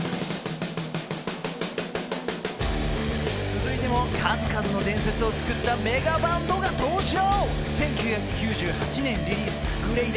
続いても数々の伝説を作ったメガバンドが登場！